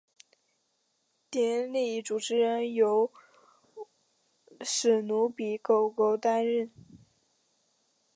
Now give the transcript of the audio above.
典礼主持人由史奴比狗狗担任。